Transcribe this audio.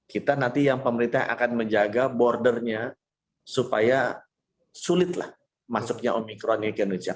kita nanti yang pemerintah akan menjaga bordernya supaya sulitlah masuknya omikron ini ke indonesia